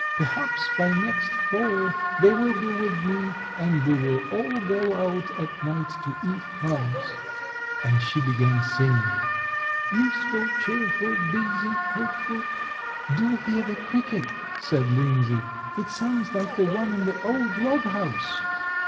Perhaps by next fall they will be with me and we will all go out at night to eat crumbs," and she began singing, "Useful, cheerful busy, hopeful." "Do hear the cricket," said Linsey, "It sounds like the one in the old log house."